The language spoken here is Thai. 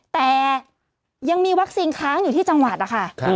แต่ยังมีวัคซีนค้างอยู่ที่จังหวัดนะคะ